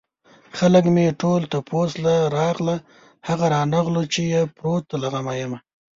خلک مې ټول تپوس له راغله هغه رانغلو چې يې پروت له غمه يمه